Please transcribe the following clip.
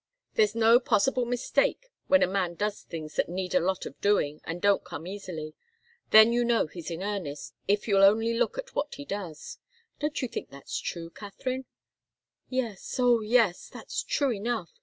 There's no possible mistake when a man does things that need a lot of doing, and don't come easily. Then you know he's in earnest, if you'll only look at what he does. Don't you think that's true, Katharine?" "Yes oh, yes! That's true enough.